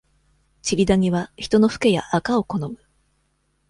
チリダニは、人のフケや、アカを好む。